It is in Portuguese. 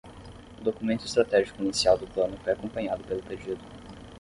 O documento estratégico inicial do plano foi acompanhado pelo pedido.